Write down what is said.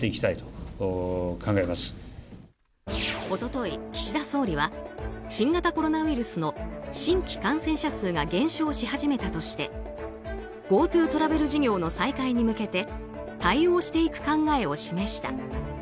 一昨日、岸田総理は新型コロナウイルスの新規感染者数が減少し始めたとしてＧｏＴｏトラベル事業の再開に向けて対応していく考えを示した。